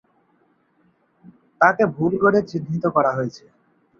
তাকে ভুল করে চিহ্নিত করা হয়েছে।